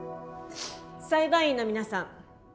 裁判員の皆さん